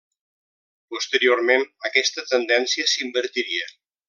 Posteriorment, aquesta tendència s'invertiria.